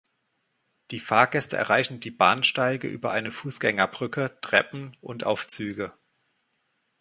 Die Fahrgäste erreichen die Bahnsteige über eine Fußgängerbrücke, Treppen und Aufzüge.